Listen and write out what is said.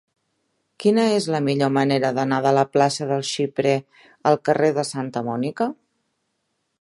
Quina és la millor manera d'anar de la plaça del Xiprer al carrer de Santa Mònica?